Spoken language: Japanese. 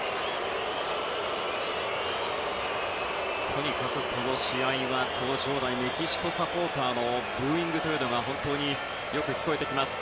とにかくこの試合はこの場内メキシコサポーターのブーイングが本当によく聞こえてきます。